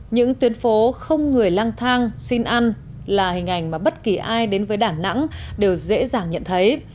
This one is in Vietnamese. những tuyến phố không người lang thang xin ăn là hình ảnh mà bất kỳ ai đến với đà nẵng đều dễ dàng nhận thấy